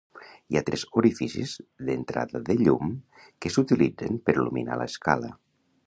Hi ha tres orificis d'entrada de llum que s'utilitzen per il·luminar l'escala.